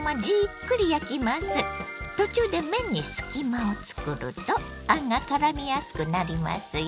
途中で麺に隙間をつくるとあんがからみやすくなりますよ。